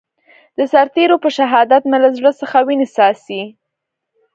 د سرتېرو په شهادت مې له زړه څخه وينې څاڅي.